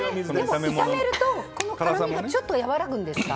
炒めるとこの辛みがちょっと和らぐんですか？